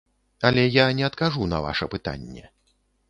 Але я не адкажу на ваша пытанне.